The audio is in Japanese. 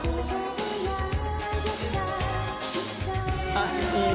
「ああいい